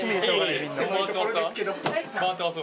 回ってます？